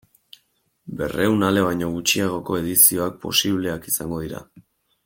Berrehun ale baino gutxiagoko edizioak posibleak izango dira.